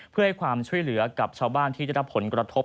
เพื่อให้ความช่วยเหลือกับชาวบ้านที่ได้รับผลกระทบ